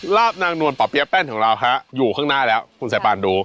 ลาบนางนวลป่อเปี๊ยแป้นของเราฮะอยู่ข้างหน้าแล้วคุณสายปานดู